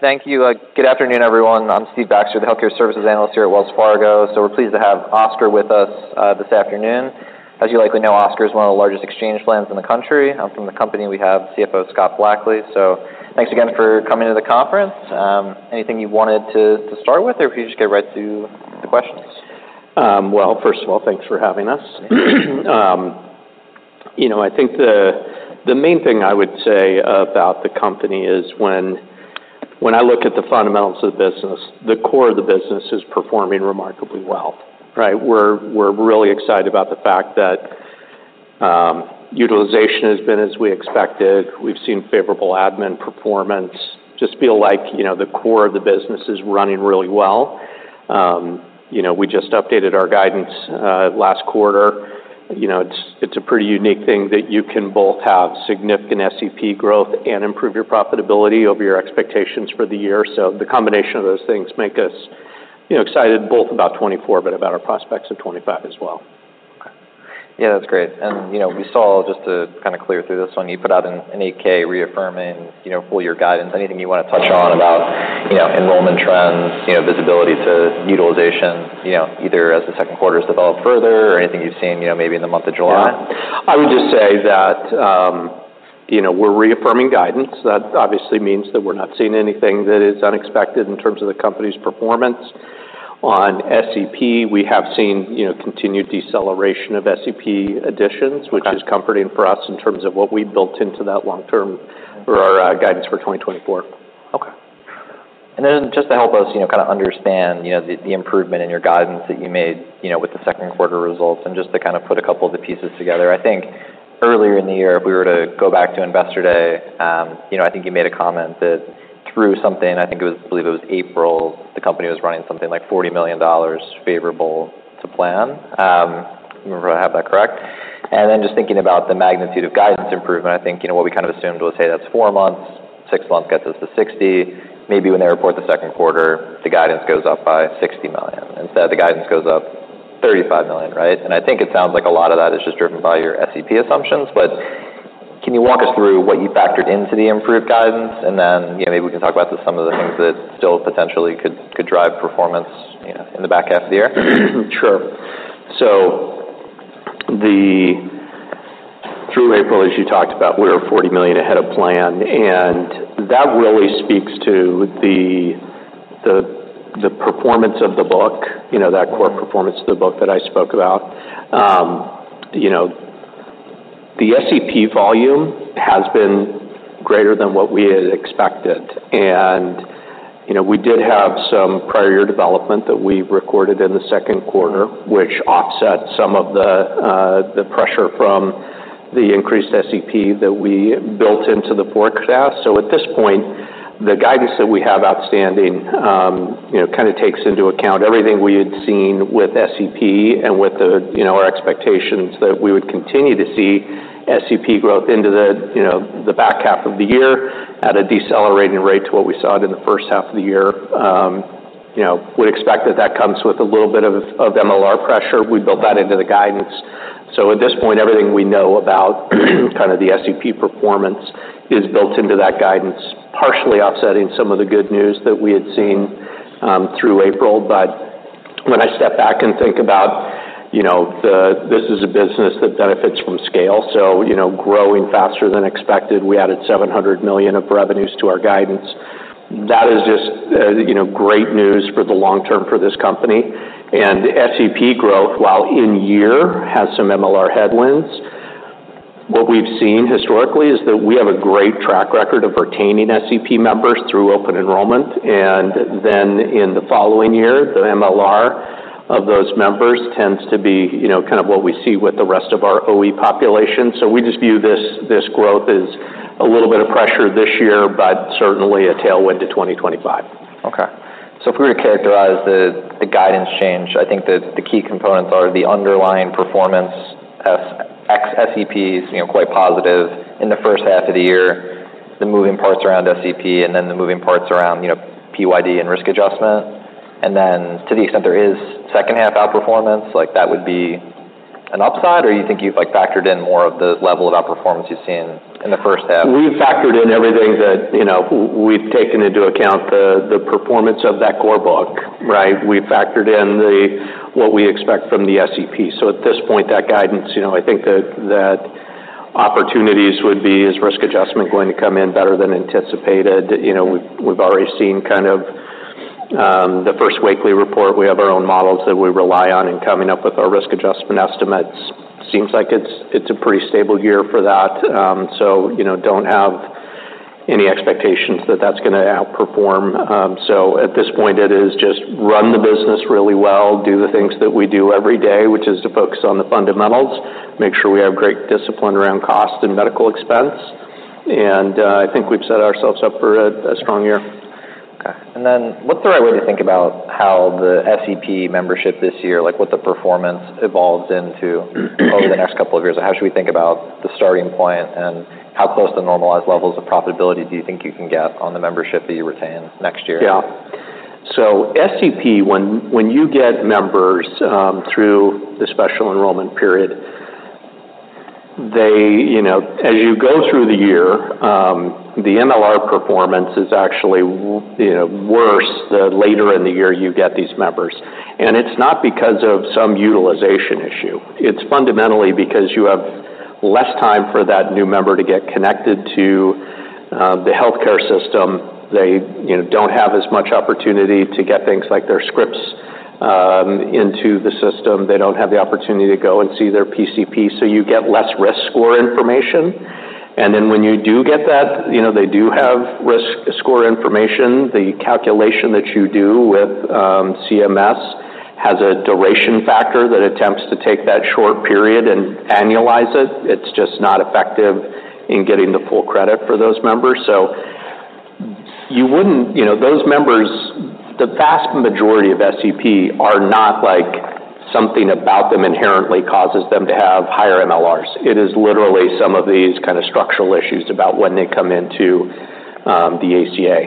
Thank you. Good afternoon, everyone. I'm Steve Baxter, the healthcare services analyst here at Wells Fargo, so we're pleased to have Oscar with us this afternoon. As you likely know, Oscar is one of the largest exchange plans in the country. From the company, we have CFO Scott Blackley, so thanks again for coming to the conference. Anything you wanted to start with, or if you just get right to the questions? First of all, thanks for having us. You know, I think the main thing I would say about the company is when I look at the fundamentals of the business, the core of the business is performing remarkably well, right? We're really excited about the fact that utilization has been as we expected. We've seen favorable admin performance. Just feel like, you know, the core of the business is running really well. You know, we just updated our guidance last quarter. You know, it's a pretty unique thing that you can both have significant SEP growth and improve your profitability over your expectations for the year. The combination of those things makes us, you know, excited both about 2024, but about our prospects of 2025 as well. Okay. Yeah, that's great. And, you know, we saw, just to kind of clear through this one, you put out an 8-K reaffirming, you know, full year guidance. Anything you want to touch on about, you know, enrollment trends, you know, visibility to utilization, you know, either as the second quarter has developed further or anything you've seen, you know, maybe in the month of July? Yeah. I would just say that, you know, we're reaffirming guidance. That obviously means that we're not seeing anything that is unexpected in terms of the company's performance. On SEP, we have seen, you know, continued deceleration of SEP additions Got it. - which is comforting for us in terms of what we built into that long term for our, guidance for 2024. Okay. And then just to help us, you know, kind of understand, you know, the improvement in your guidance that you made, you know, with the second quarter results, and just to kind of put a couple of the pieces together. I think earlier in the year, if we were to go back to Investor Day, you know, I think you made a comment that through something, I think it was, believe it was April, the company was running something like $40 million favorable to plan. If I have that correct? And then just thinking about the magnitude of guidance improvement, I think, you know, what we kind of assumed was, hey, that's four months, six months gets us to 60. Maybe when they report the second quarter, the guidance goes up by $60 million. Instead, the guidance goes up $35 million, right? And I think it sounds like a lot of that is just driven by your SEP assumptions. But can you walk us through what you factored into the improved guidance? And then, you know, maybe we can talk about some of the things that still potentially could drive performance, you know, in the back half of the year. Sure. So through April, as you talked about, we were $40 million ahead of plan, and that really speaks to the performance of the book, you know, that core performance of the book that I spoke about. You know, the SEP volume has been greater than what we had expected. And, you know, we did have some prior year development that we recorded in the second quarter, which offset some of the pressure from the increased SEP that we built into the forecast. So at this point, the guidance that we have outstanding, you know, kind of takes into account everything we had seen with SEP and with the, you know, our expectations that we would continue to see SEP growth into the, you know, the back half of the year at a decelerating rate to what we saw it in the first half of the year. You know, would expect that that comes with a little bit of MLR pressure. We built that into the guidance. So at this point, everything we know about kind of the SEP performance is built into that guidance, partially offsetting some of the good news that we had seen through April. But when I step back and think about, you know, this is a business that benefits from scale, so, you know, growing faster than expected, we added $700 million of revenues to our guidance. That is just, you know, great news for the long term for this company. And SEP growth, while in year, has some MLR headwinds. What we've seen historically is that we have a great track record of retaining SEP members through open enrollment, and then in the following year, the MLR of those members tends to be, you know, kind of what we see with the rest of our OE population. So we just view this growth as a little bit of pressure this year, but certainly a tailwind to 2025. Okay. So if we were to characterize the guidance change, I think that the key components are the underlying performance as ex-SEPs, you know, quite positive in the first half of the year, the moving parts around SEP and then the moving parts around, you know, PYD and risk adjustment. And then to the extent there is second half outperformance, like that would be an upside, or you think you've, like, factored in more of the level of outperformance you've seen in the first half? We've factored in everything that, you know, we've taken into account the performance of that core book, right? We've factored in what we expect from the SEP. So at this point, that guidance, you know, I think that opportunities would be is risk adjustment going to come in better than anticipated? You know, we've already seen kind of the first weekly report. We have our own models that we rely on in coming up with our risk adjustment estimates. Seems like it's a pretty stable year for that. So, you know, don't have any expectations that that's gonna outperform. So at this point, it is just run the business really well, do the things that we do every day, which is to focus on the fundamentals, make sure we have great discipline around cost and medical expense, and I think we've set ourselves up for a strong year. Okay. And then what's the right way to think about how the SEP membership this year, like, what the performance evolves into over the next couple of years? And how should we think about the starting point, and how close to normalized levels of profitability do you think you can get on the membership that you retain next year? Yeah. So SEP, when you get members through the special enrollment period, they, you know, as you go through the year, the MLR performance is actually worse the later in the year you get these members. And it's not because of some utilization issue. It's fundamentally because you have less time for that new member to get connected to the healthcare system. They, you know, don't have as much opportunity to get things like their scripts into the system. They don't have the opportunity to go and see their PCP, so you get less risk score information. And then when you do get that, you know, they do have risk score information, the calculation that you do with CMS has a duration factor that attempts to take that short period and annualize it. It's just not effective in getting the full credit for those members. So you wouldn't, you know, those members, the vast majority of SEP are not like something about them inherently causes them to have higher MLRs. It is literally some of these kind of structural issues about when they come into the ACA.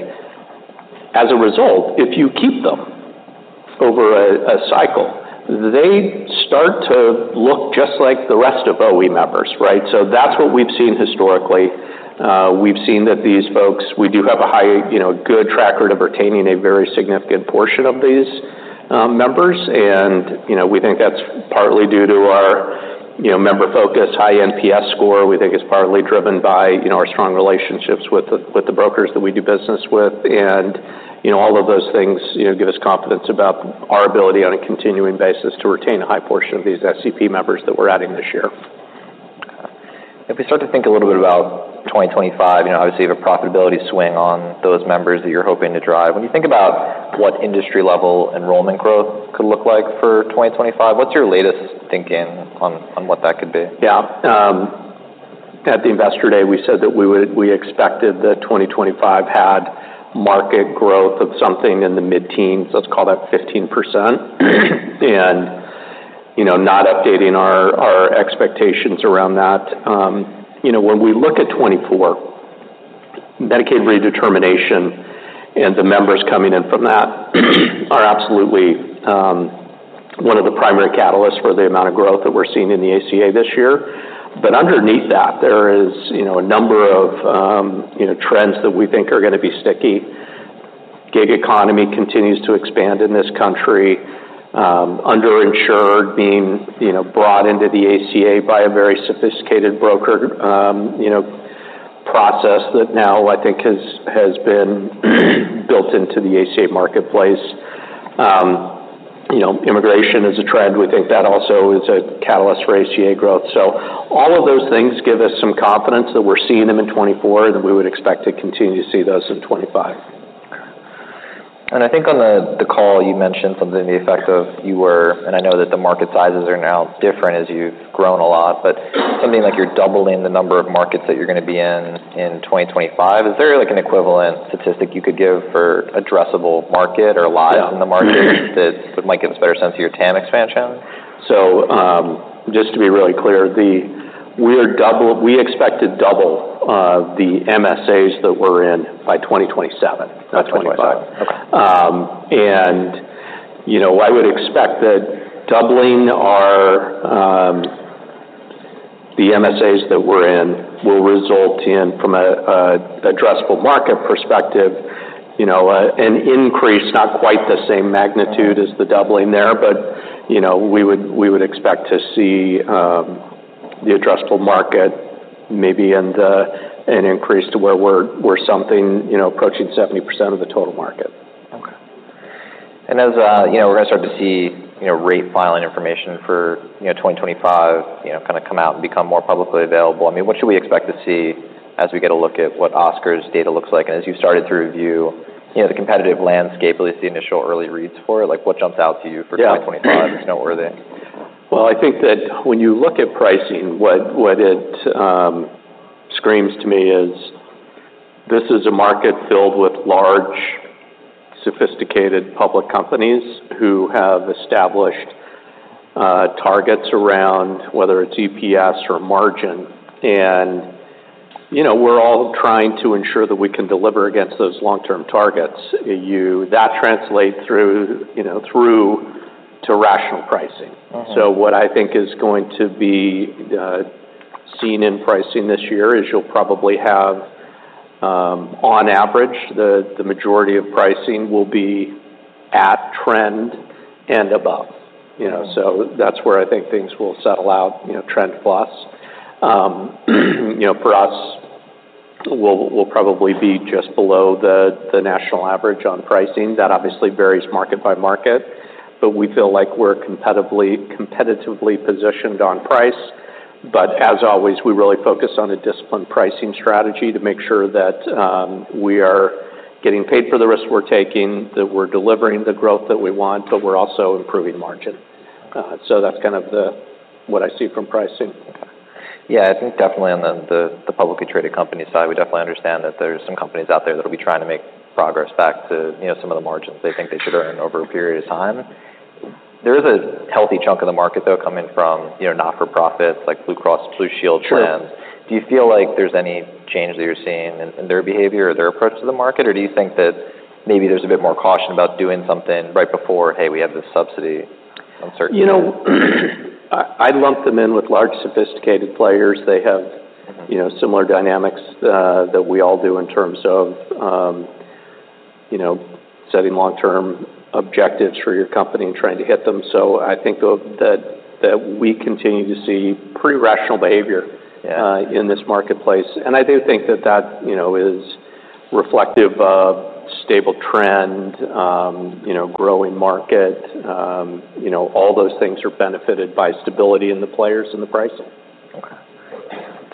As a result, if you keep them over a cycle, they start to look just like the rest of OE members, right? So that's what we've seen historically. We've seen that these folks, we do have a high, you know, good track record of retaining a very significant portion of these members. And, you know, we think that's partly due to our, you know, member focus, high NPS score. We think it's partly driven by, you know, our strong relationships with the brokers that we do business with. You know, all of those things, you know, give us confidence about our ability on a continuing basis to retain a high portion of these SEP members that we're adding this year. If we start to think a little bit about 2025, you know, obviously, you have a profitability swing on those members that you're hoping to drive. When you think about what industry-level enrollment growth could look like for 2025, what's your latest thinking on what that could be? Yeah. At the Investor Day, we said that we would-- we expected that 2025 had market growth of something in the mid-teens, let's call that 15%. And, you know, not updating our expectations around that. You know, when we look at 2024, Medicaid redetermination and the members coming in from that are absolutely one of the primary catalysts for the amount of growth that we're seeing in the ACA this year. But underneath that, there is, you know, a number of, you know, trends that we think are gonna be sticky. Gig economy continues to expand in this country, underinsured being, you know, brought into the ACA by a very sophisticated broker, you know, process that now I think has been built into the ACA marketplace. You know, immigration is a trend. We think that also is a catalyst for ACA growth. So all of those things give us some confidence that we're seeing them in 2024, and we would expect to continue to see those in 2025. I think on the call, you mentioned something to the effect of you were, and I know that the market sizes are now different as you've grown a lot, but something like you're doubling the number of markets that you're gonna be in in 2025. Is there, like, an equivalent statistic you could give for addressable market or TAM in the market that might give us a better sense of your TAM expansion? Just to be really clear, we expect to double the MSAs that we're in by 2027, not 2025. Okay. And you know, I would expect that doubling our the MSAs that we're in will result in, from a addressable market perspective, you know, an increase, not quite the same magnitude as the doubling there, but you know, we would expect to see the addressable market maybe an increase to where we're something you know, approaching 70% of the total market. Okay. And as you know, we're gonna start to see you know, rate filing information for you know, 2025, you know, kind of come out and become more publicly available. I mean, what should we expect to see as we get a look at what Oscar's data looks like? And as you started to review you know, the competitive landscape, at least the initial early reads for it, like, what jumps out to you for 2025 Yeah. you know, worthy? I think that when you look at pricing, what it screams to me is this is a market filled with large, sophisticated public companies who have established targets around whether it's EPS or margin. You know, we're all trying to ensure that we can deliver against those long-term targets. That translate through, you know, through to rational pricing. Mm-hmm. So what I think is going to be seen in pricing this year is you'll probably have. On average, the majority of pricing will be at trend and above, you know. Mm-hmm. So that's where I think things will settle out, you know, trend plus. You know, for us, we'll probably be just below the national average on pricing. That obviously varies market by market, but we feel like we're competitively positioned on price. But as always, we really focus on a disciplined pricing strategy to make sure that we are getting paid for the risk we're taking, that we're delivering the growth that we want, but we're also improving margin. So that's kind of what I see from pricing. Yeah, I think definitely on the publicly traded company side, we definitely understand that there are some companies out there that will be trying to make progress back to, you know, some of the margins they think they should earn over a period of time. There is a healthy chunk of the market, though, coming from, you know, not-for-profits like Blue Cross Blue Shield- Sure. plans. Do you feel like there's any change that you're seeing in their behavior or their approach to the market? Or do you think that maybe there's a bit more caution about doing something right before, hey, we have this subsidy uncertainty? You know, I'd lump them in with large, sophisticated players. They have- Mm-hmm... you know, similar dynamics that we all do in terms of, you know, setting long-term objectives for your company and trying to hit them. So I think that we continue to see pretty rational behavior in this marketplace. And I do think that, you know, is reflective of stable trend, you know, growing market. You know, all those things are benefited by stability in the players and the pricing. Okay.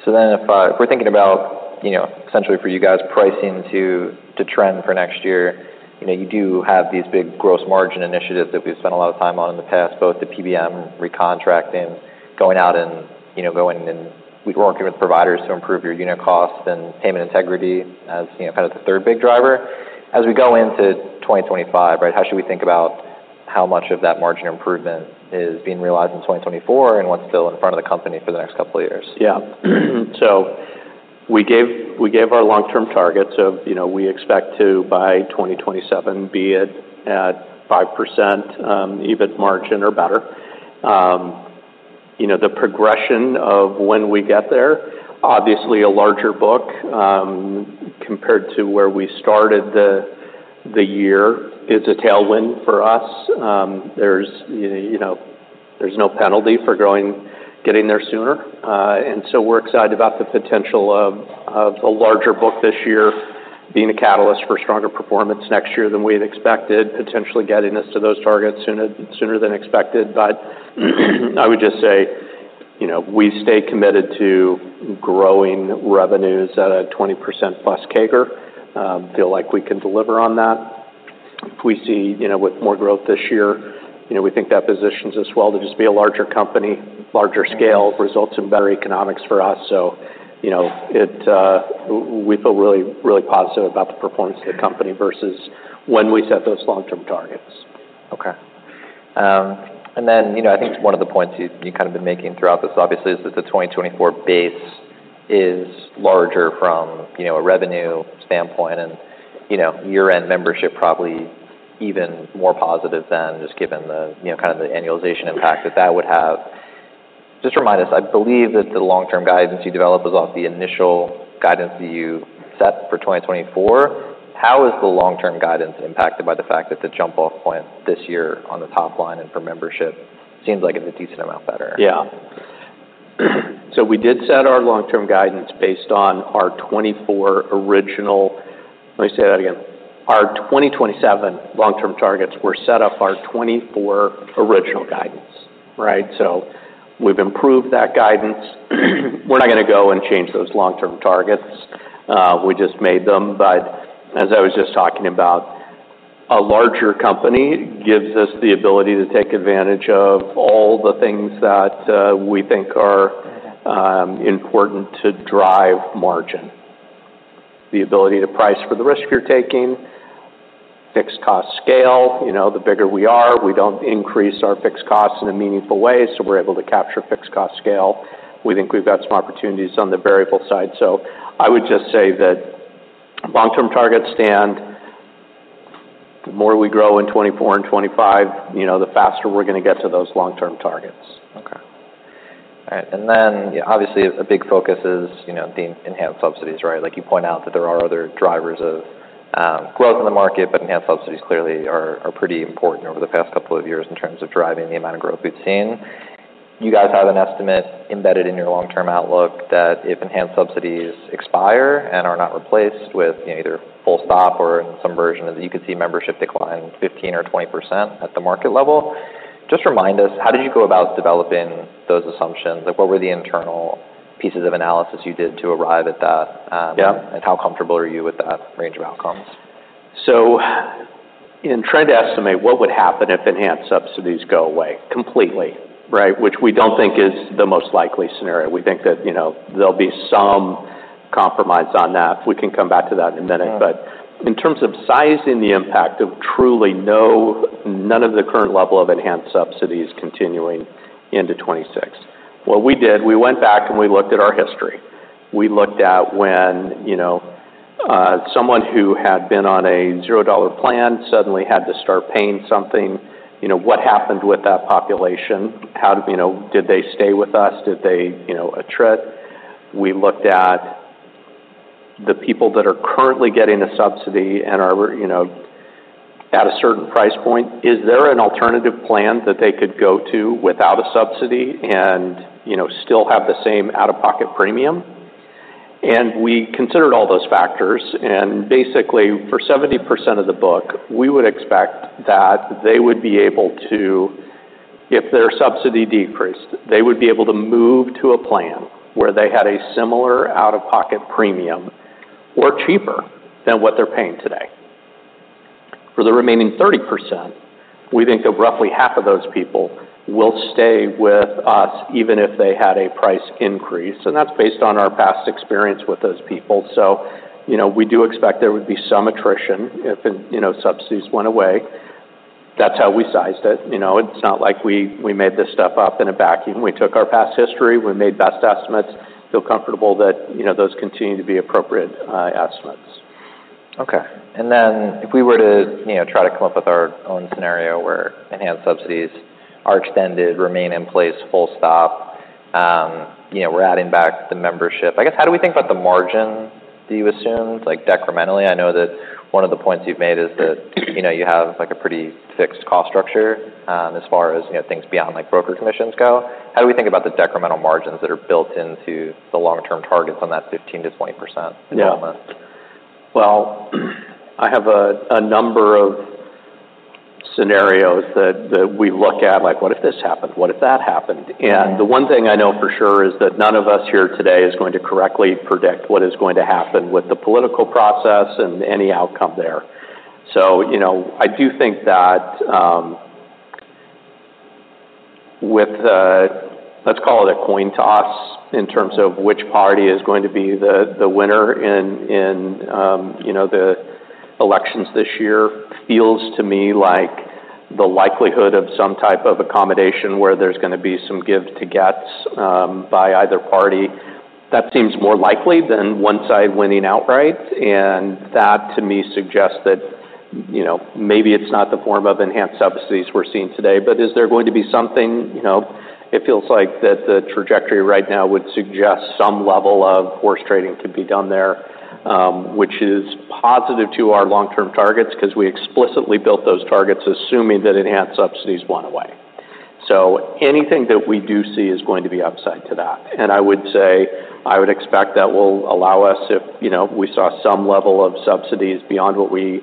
So then if we're thinking about, you know, essentially for you guys, pricing to trend for next year, you know, you do have these big gross margin initiatives that we've spent a lot of time on in the past, both the PBM recontracting, going out and, you know, going in, working with providers to improve your unit costs and payment integrity as, you know, kind of the third big driver. As we go into 2025, right, how should we think about how much of that margin improvement is being realized in 2024, and what's still in front of the company for the next couple of years? Yeah. So we gave our long-term targets of, you know, we expect to, by 2027, be at 5% EBIT margin or better. You know, the progression of when we get there, obviously, a larger book compared to where we started the year, is a tailwind for us. There's, you know, there's no penalty for growing, getting there sooner. And so we're excited about the potential of the larger book this year being a catalyst for stronger performance next year than we had expected, potentially getting us to those targets sooner, sooner than expected. But I would just say, you know, we stay committed to growing revenues at a 20% plus CAGR. Feel like we can deliver on that. If we see, you know, with more growth this year, you know, we think that positions us well to just be a larger company, larger scale, results in better economics for us. So, you know, it, we feel really, really positive about the performance of the company versus when we set those long-term targets. Okay. And then, you know, I think one of the points you've kind of been making throughout this, obviously, is that the 2024 base is larger from, you know, a revenue standpoint, and, you know, year-end membership probably even more positive than just given the, you know, kind of the annualization impact that that would have. Just remind us, I believe that the long-term guidance you developed was off the initial guidance that you set for 2024. How is the long-term guidance impacted by the fact that the jump-off point this year on the top line and for membership seems like it's a decent amount better? Yeah. So we did set our long-term guidance based on our 2024 original. Let me say that again. Our 2027 long-term targets were set off our 2024 original guidance, right? So we've improved that guidance. We're not going to go and change those long-term targets, we just made them. But as I was just talking about, a larger company gives us the ability to take advantage of all the things that, we think are, important to drive margin. The ability to price for the risk you're taking, fixed cost scale, you know, the bigger we are, we don't increase our fixed costs in a meaningful way, so we're able to capture fixed cost scale. We think we've got some opportunities on the variable side. So I would just say that long-term targets stand. The more we grow in 2024 and 2025, you know, the faster we're going to get to those long-term targets. Okay. All right, and then, obviously, a big focus is, you know, the enhanced subsidies, right? Like you point out, that there are other drivers of growth in the market, but enhanced subsidies clearly are pretty important over the past couple of years in terms of driving the amount of growth we've seen. You guys have an estimate embedded in your long-term outlook that if enhanced subsidies expire and are not replaced with, you know, either full stop or in some version of it, you could see membership decline 15% or 20% at the market level. Just remind us, how did you go about developing those assumptions? Like, what were the internal pieces of analysis you did to arrive at that? Yeah... and how comfortable are you with that range of outcomes? So in trying to estimate what would happen if enhanced subsidies go away completely, right? Which we don't think is the most likely scenario. We think that, you know, there'll be some compromise on that. We can come back to that in a minute. Yeah. But in terms of sizing the impact of truly no, none of the current level of enhanced subsidies continuing into 2026, what we did, we went back and we looked at our history. We looked at when, you know, someone who had been on a $0 plan suddenly had to start paying something. You know, what happened with that population? How, you know, did they stay with us? Did they, you know, attrit? We looked at the people that are currently getting a subsidy and are, you know, at a certain price point, is there an alternative plan that they could go to without a subsidy and, you know, still have the same out-of-pocket premium? And we considered all those factors, and basically, for 70% of the book, we would expect that they would be able to, if their subsidy decreased, they would be able to move to a plan where they had a similar out-of-pocket premium or cheaper than what they're paying today. For the remaining 30%, we think that roughly half of those people will stay with us, even if they had a price increase, and that's based on our past experience with those people. So, you know, we do expect there would be some attrition if, you know, subsidies went away. That's how we sized it. You know, it's not like we, we made this stuff up in a vacuum. We took our past history, we made best estimates, feel comfortable that, you know, those continue to be appropriate estimates. Okay. And then if we were to, you know, try to come up with our own scenario where enhanced subsidies are extended, remain in place, full stop, you know, we're adding back the membership. I guess, how do we think about the margin that you assumed, like, decrementally? I know that one of the points you've made is that, you know, you have, like, a pretty fixed cost structure, as far as, you know, things beyond, like, broker commissions go. How do we think about the decremental margins that are built into the long-term targets on that 15%-20%? Yeah. Well, I have a number of scenarios that we look at, like, what if this happened? What if that happened? Mm-hmm. The one thing I know for sure is that none of us here today is going to correctly predict what is going to happen with the political process and any outcome there. So, you know, I do think that with the let's call it a coin toss in terms of which party is going to be the winner in the elections this year, feels to me like the likelihood of some type of accommodation where there's gonna be some give to gets by either party. That seems more likely than one side winning outright, and that, to me, suggests that, you know, maybe it's not the form of enhanced subsidies we're seeing today. But is there going to be something...? You know, it feels like that the trajectory right now would suggest some level of horse trading could be done there, which is positive to our long-term targets, because we explicitly built those targets assuming that enhanced subsidies went away. So anything that we do see is going to be upside to that. And I would say, I would expect that will allow us if, you know, we saw some level of subsidies beyond what we,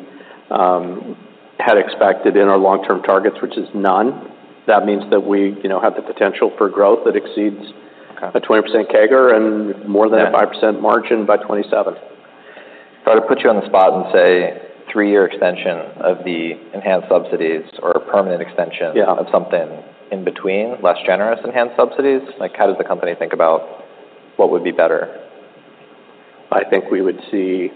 had expected in our long-term targets, which is none, that means that we, you know, have the potential for growth that exceeds- Okay... a 20% CAGR and more than a 5% margin by 2027. If I were to put you on the spot and say, three-year extension of the enhanced subsidies or a permanent extension- Yeah -of something in between, less generous enhanced subsidies, like, how does the company think about what would be better? I think we would see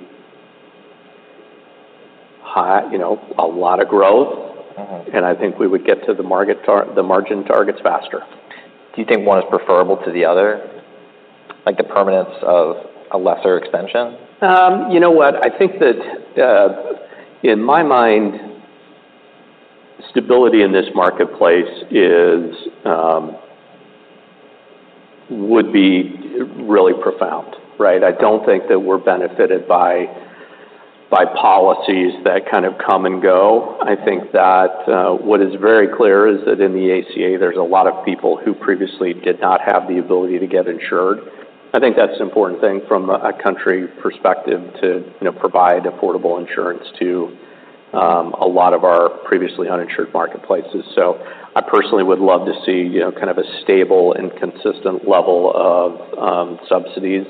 high, you know, a lot of growth. Mm-hmm. I think we would get to the margin targets faster. Do you think one is preferable to the other, like the permanence of a lesser extension? You know what? I think that, in my mind, stability in this marketplace is, would be really profound, right? I don't think that we're benefited by policies that kind of come and go. I think that, what is very clear is that in the ACA, there's a lot of people who previously did not have the ability to get insured. I think that's an important thing from a country perspective to, you know, provide affordable insurance to, a lot of our previously uninsured marketplaces. So I personally would love to see, you know, kind of a stable and consistent level of, subsidies.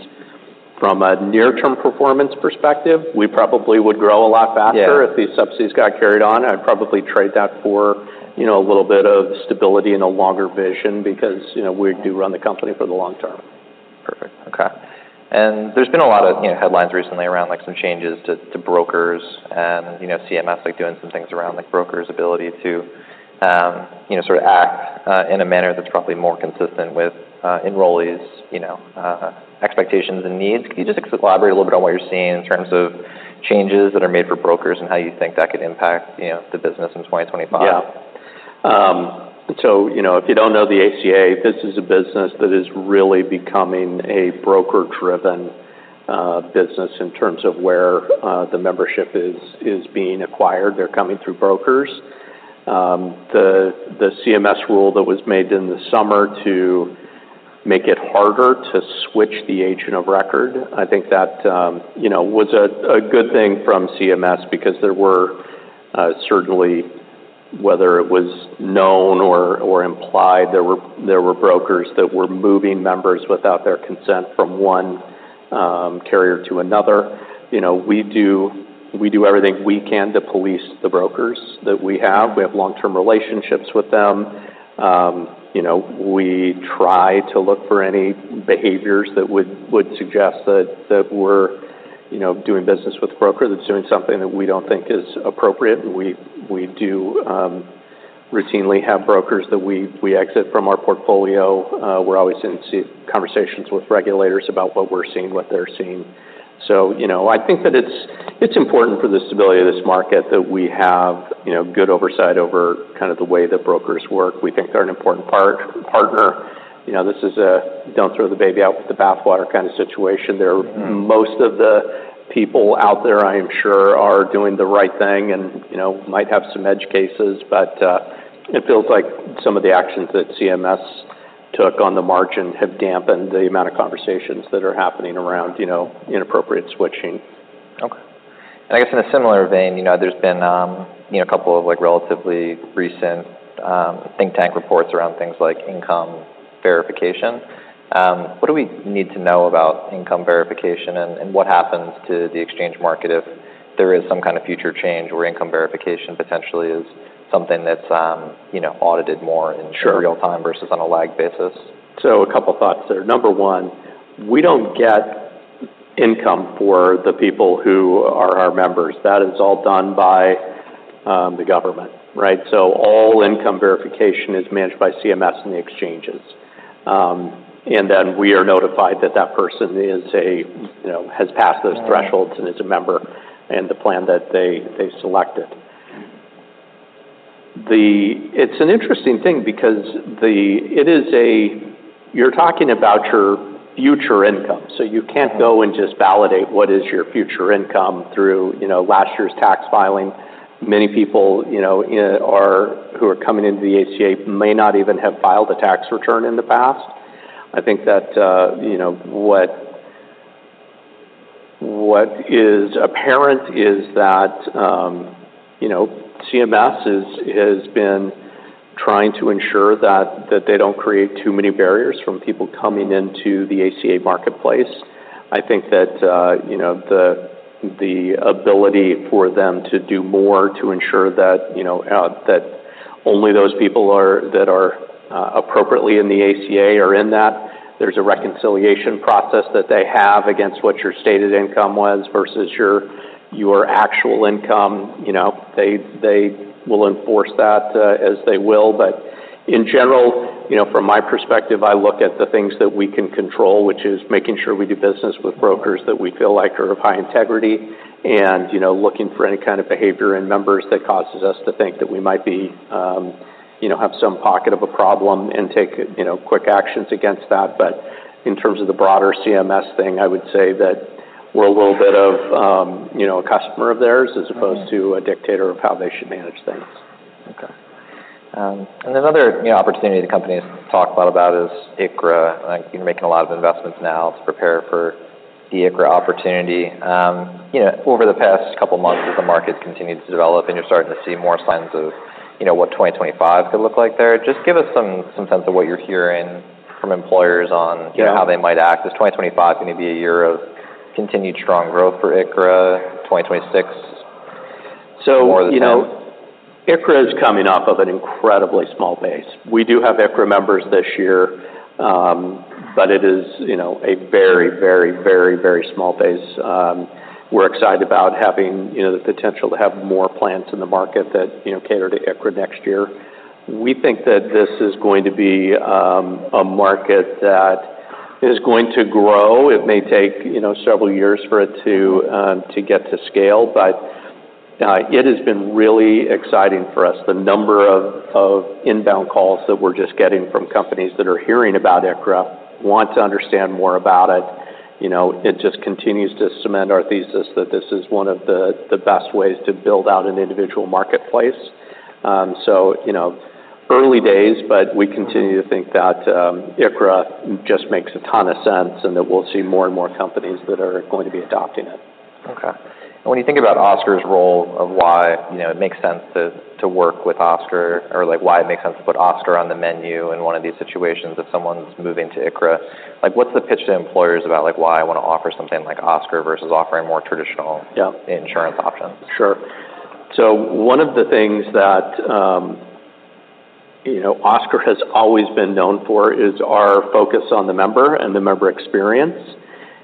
From a near-term performance perspective, we probably would grow a lot faster- Yeah... if these subsidies got carried on. I'd probably trade that for, you know, a little bit of stability and a longer vision because, you know, we do run the company for the long term. Perfect. Okay. And there's been a lot of, you know, headlines recently around, like, some changes to brokers and, you know, CMS, like, doing some things around, like, brokers' ability to, you know, sort of act in a manner that's probably more consistent with enrollees, you know, expectations and needs. Can you just elaborate a little bit on what you're seeing in terms of changes that are made for brokers and how you think that could impact, you know, the business in 2025? Yeah. So, you know, if you don't know the ACA, this is a business that is really becoming a broker-driven business in terms of where the membership is being acquired. They're coming through brokers. The CMS rule that was made in the summer to make it harder to switch the agent of record, I think that, you know, was a good thing from CMS because there were certainly, whether it was known or implied, there were brokers that were moving members without their consent from one carrier to another. You know, we do everything we can to police the brokers that we have. We have long-term relationships with them. You know, we try to look for any behaviors that would suggest that we're doing business with a broker that's doing something that we don't think is appropriate. We do routinely have brokers that we exit from our portfolio. We're always in conversations with regulators about what we're seeing, what they're seeing. So, you know, I think that it's important for the stability of this market that we have good oversight over kind of the way the brokers work. We think they're an important partner. You know, this is a don't throw the baby out with the bathwater kind of situation. Mm-hmm. Most of the people out there, I am sure, are doing the right thing and, you know, might have some edge cases, but, it feels like some of the actions that CMS took on the margin have dampened the amount of conversations that are happening around, you know, inappropriate switching. Okay. I guess in a similar vein, you know, there's been, you know, a couple of, like, relatively recent, think tank reports around things like income verification. What do we need to know about income verification, and what happens to the exchange market if there is some kind of future change where income verification potentially is something that's, you know, audited more in- Sure... real time versus on a lag basis? So a couple thoughts there. Number one, we don't get income for the people who are our members. That is all done by the government, right? So all income verification is managed by CMS and the exchanges. And then we are notified that that person is a, you know, has passed those thresholds- Right. and is a member in the plan that they selected. It's an interesting thing because it is a. You're talking about your future income, so you can't go and just validate what is your future income through, you know, last year's tax filing. Many people, you know, who are coming into the ACA, may not even have filed a tax return in the past. I think that, you know, what is apparent is that, you know, CMS has been trying to ensure that they don't create too many barriers from people coming into the ACA marketplace. I think that, you know, the ability for them to do more to ensure that, you know, that only those people that are appropriately in the ACA are in that. There's a reconciliation process that they have against what your stated income was versus your actual income. You know, they will enforce that, as they will. But in general, you know, from my perspective, I look at the things that we can control, which is making sure we do business with brokers that we feel like are of high integrity, and, you know, looking for any kind of behavior in members that causes us to think that we might be, you know, have some pocket of a problem and take, you know, quick actions against that. But in terms of the broader CMS thing, I would say that we're a little bit of, you know, a customer of theirs- Mm-hmm. As opposed to a dictator of how they should manage things. Okay. And another, you know, opportunity the company has talked a lot about is ICHRA. I think you're making a lot of investments now to prepare for the ICHRA opportunity. You know, over the past couple of months as the market continued to develop, and you're starting to see more signs of, you know, what 2025 could look like there, just give us some sense of what you're hearing from employers on- Yeah -how they might act. Is 2025 gonna be a year of continued strong growth for ICHRA, 2026 more than that? You know, ICHRA is coming off of an incredibly small base. We do have ICHRA members this year, but it is, you know, a very, very, very, very small base. We're excited about having, you know, the potential to have more plans in the market that, you know, cater to ICHRA next year. We think that this is going to be a market that is going to grow. It may take, you know, several years for it to get to scale, but it has been really exciting for us. The number of inbound calls that we're just getting from companies that are hearing about ICHRA, want to understand more about it. You know, it just continues to cement our thesis that this is one of the best ways to build out an individual marketplace. You know, early days, but we continue to think that ICHRA just makes a ton of sense, and that we'll see more and more companies that are going to be adopting it. Okay. And when you think about Oscar's role of why, you know, it makes sense to work with Oscar, or, like, why it makes sense to put Oscar on the menu in one of these situations, if someone's moving to ICHRA, like, what's the pitch to employers about, like, why I wanna offer something like Oscar versus offering more traditional- Yeah. -insurance options? Sure. So one of the things that, you know, Oscar has always been known for is our focus on the member and the member experience.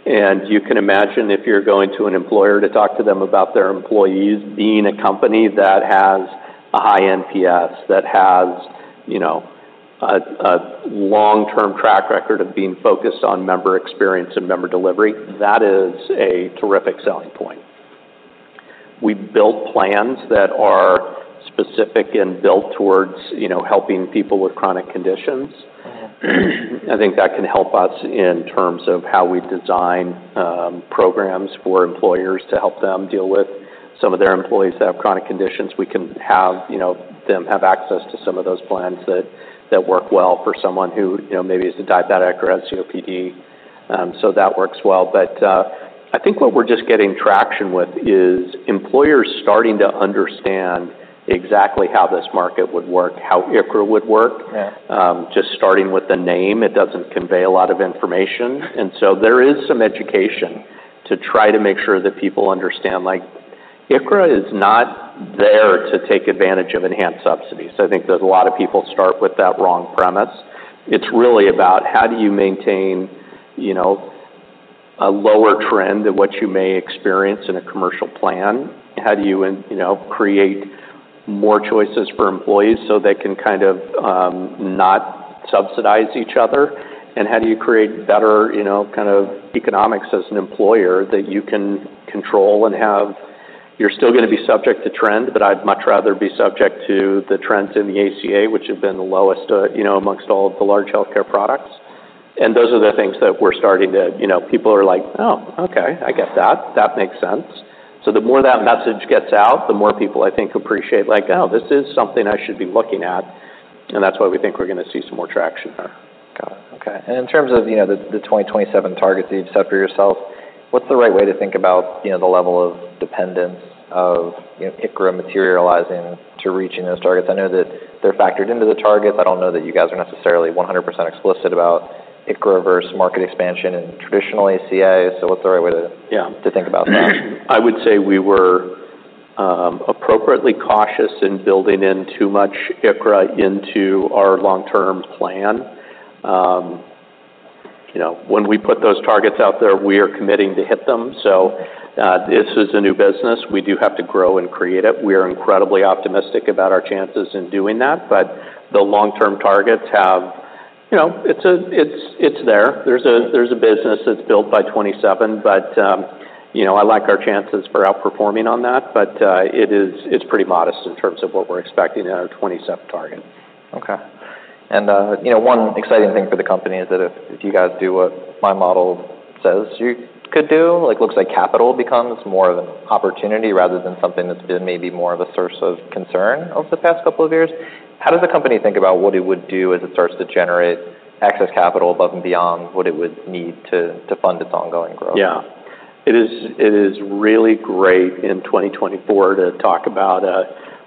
And you can imagine, if you're going to an employer to talk to them about their employees, being a company that has a high NPS, that has, you know, a, a long-term track record of being focused on member experience and member delivery, that is a terrific selling point. We build plans that are specific and built towards, you know, helping people with chronic conditions. Mm-hmm. I think that can help us in terms of how we design programs for employers to help them deal with some of their employees that have chronic conditions. We can have, you know, them have access to some of those plans that, that work well for someone who, you know, maybe is a diabetic or has COPD, so that works well. But, I think what we're just getting traction with is employers starting to understand exactly how this market would work, how ICHRA would work. Yeah. Just starting with the name, it doesn't convey a lot of information, and so there is some education to try to make sure that people understand, like, ICHRA is not there to take advantage of enhanced subsidies. I think that a lot of people start with that wrong premise. It's really about: how do you maintain, you know, a lower trend than what you may experience in a commercial plan? How do you, you know, create more choices for employees so they can kind of not subsidize each other? And how do you create better, you know, kind of economics as an employer that you can control and have... You're still gonna be subject to trend, but I'd much rather be subject to the trends in the ACA, which have been the lowest, you know, amongst all of the large healthcare products. And those are the things that we're starting to- You know, people are like, "Oh, okay, I get that. That makes sense." So the more that message gets out, the more people, I think, appreciate, like, "Oh, this is something I should be looking at," and that's why we think we're gonna see some more traction there. Got it. Okay. And in terms of, you know, the twenty twenty-seven targets that you've set for yourself, what's the right way to think about, you know, the level of dependence of, you know, ICHRA materializing to reaching those targets? I know that they're factored into the target, but I don't know that you guys are necessarily 100% explicit about ICHRA versus market expansion and traditional ACA. So what's the right way- Yeah, to think about that. I would say we were appropriately cautious in building in too much ICRA into our long-term plan. You know, when we put those targets out there, we are committing to hit them. So, this is a new business. We do have to grow and create it. We are incredibly optimistic about our chances in doing that, but the long-term targets have, you know, it's there. There's a business that's built by 2027, but, you know, I like our chances for outperforming on that, but, it is pretty modest in terms of what we're expecting in our 2027 target. Okay. And, you know, one exciting thing for the company is that if you guys do what my model says you could do, like, looks like capital becomes more of an opportunity rather than something that's been maybe more of a source of concern over the past couple of years. How does the company think about what it would do as it starts to generate excess capital above and beyond what it would need to, to fund its ongoing growth? Yeah. It is really great in 2024 to talk about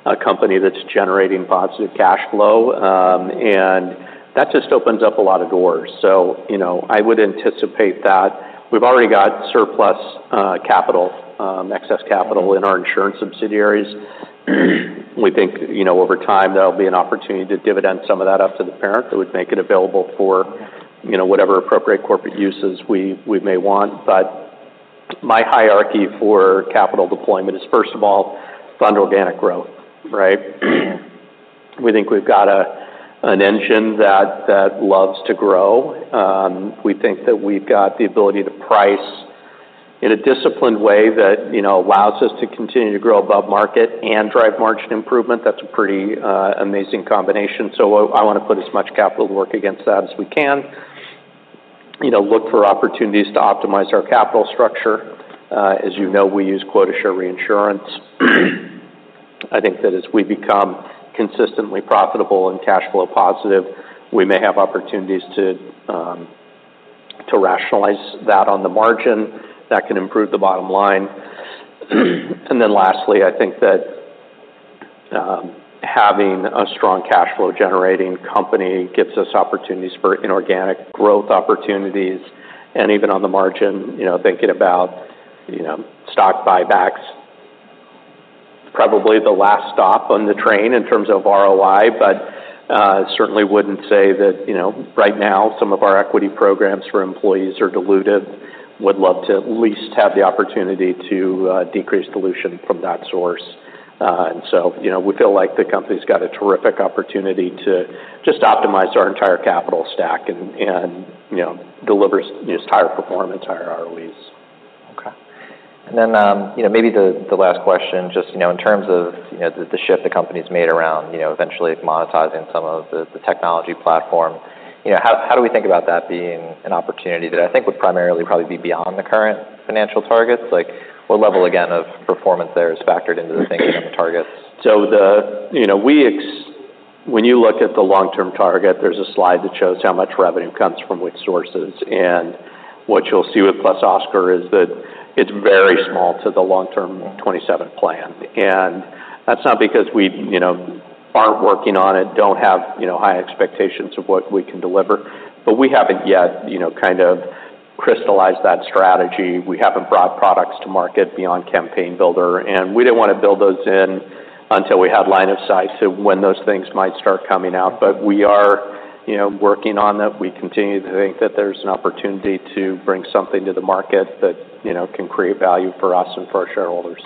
a company that's generating positive cash flow, and that just opens up a lot of doors, so you know, I would anticipate that we've already got surplus capital, excess capital in our insurance subsidiaries. We think, you know, over time, there'll be an opportunity to dividend some of that up to the parent, that would make it available for, you know, whatever appropriate corporate uses we may want, but my hierarchy for capital deployment is, first of all, fund organic growth, right? We think we've got an engine that loves to grow. We think that we've got the ability to price in a disciplined way that, you know, allows us to continue to grow above market and drive margin improvement. That's a pretty amazing combination. I wanna put as much capital to work against that as we can. You know, look for opportunities to optimize our capital structure. As you know, we use quota share reinsurance. I think that as we become consistently profitable and cash flow positive, we may have opportunities to rationalize that on the margin. That can improve the bottom line. And then lastly, I think that having a strong cash flow-generating company gives us opportunities for inorganic growth opportunities, and even on the margin, you know, thinking about, you know, stock buybacks, probably the last stop on the train in terms of ROI, but certainly wouldn't say that, you know, right now, some of our equity programs for employees are diluted. Would love to at least have the opportunity to decrease dilution from that source. And so, you know, we feel like the company's got a terrific opportunity to just optimize our entire capital stack and, you know, delivers just higher performance, higher ROEs. Okay. And then, you know, maybe the last question, just, you know, in terms of, you know, the shift the company's made around, you know, eventually monetizing some of the technology platform, you know, how do we think about that being an opportunity that I think would primarily probably be beyond the current financial targets? Like, what level, again, of performance there is factored into the thinking on the targets? You know, when you look at the long-term target, there's a slide that shows how much revenue comes from which sources, and what you'll see with Plus Oscar is that it's very small to the long-term 2027 plan. And that's not because we, you know, aren't working on it, don't have, you know, high expectations of what we can deliver, but we haven't yet, you know, kind of crystallized that strategy. We haven't brought products to market beyond Campaign Builder, and we didn't wanna build those in until we had line of sight to when those things might start coming out. But we are, you know, working on them. We continue to think that there's an opportunity to bring something to the market that, you know, can create value for us and for our shareholders.